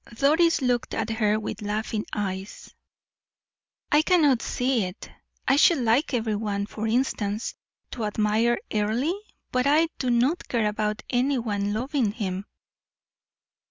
Doris looked at her with laughing eyes. "I cannot see it. I should like every one, for instance, to admire Earle, but I do not care about any one loving him."